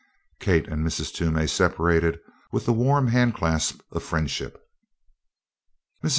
Kate and Mrs. Toomey separated with the warm handclasp of friendship. Mrs.